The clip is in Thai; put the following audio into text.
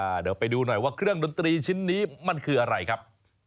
เดี๋ยวไปดูหน่อยว่าเครื่องดนตรีชิ้นนี้มันคืออะไรครับ